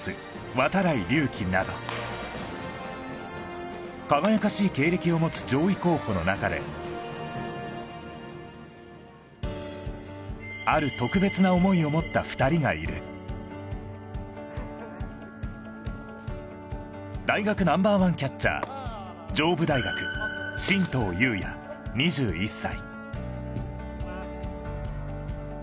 度会隆輝など輝かしい経歴を持つ上位候補の中である特別な思いを持った２人がいる大学Ｎｏ．１キャッチャー上武大学進藤勇也２１歳